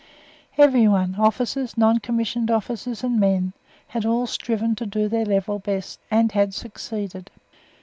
Everyone officers, non commissioned officers and men had all striven to do their level best, and had succeeded.